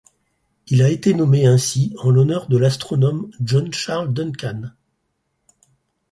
Il a été nommé ainsi en l'honneur de l'astronome John Charles Duncan.